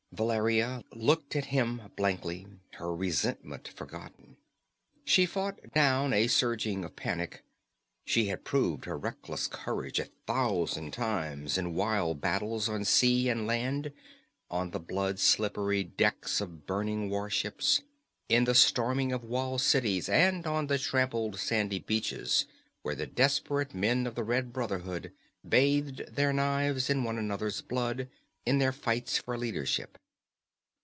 Valeria looked at him blankly, her resentment forgotten. She fought down a surging of panic. She had proved her reckless courage a thousand times in wild battles on sea and land, on the blood slippery decks of burning war ships, in the storming of walled cities, and on the trampled sandy beaches where the desperate men of the Red Brotherhood bathed their knives in one another's blood in their fights for leadership.